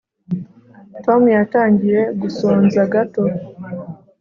tom yatangiye gusonza gato